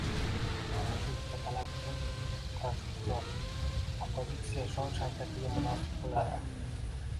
Ana shu uchta talab uchun kurashuvchi zot... oppozitsiya shon-shavkatiga munosib bo‘ladi...